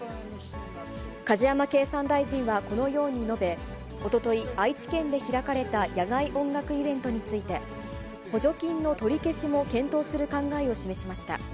梶山経産大臣はこのように述べ、おととい、愛知県で開かれた野外音楽イベントについて、補助金の取り消しも検討する考えを示しました。